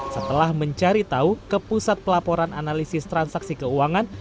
setelah mencari tahu ke pusat pelaporan analisis transaksi keuangan